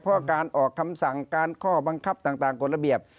เพราะการออกคำสั่งการข้อบังคับต่างกฎระเบียบ